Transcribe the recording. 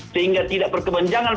sehingga tidak berkebenjangan